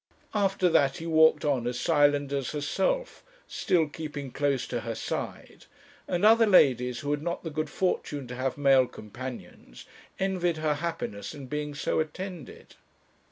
After that he walked on as silent as herself, still keeping close to her side; and other ladies, who had not the good fortune to have male companions, envied her happiness in being so attended.